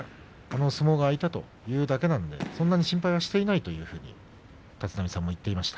相撲が空いたというだけなのでそんなに心配はしていないというふうに立浪さんも言っていました。